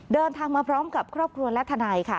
เดินทางมาพร้อมกับครอบครัวและทนายค่ะ